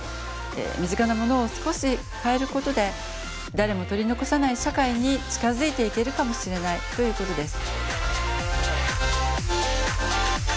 身近なものを少し変えることで誰も取り残さない社会に近づいていけるかもしれないということです。